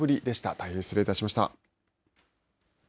大変失礼いたしました。